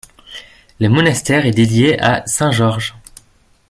Le monastère est dédié à saint Georges.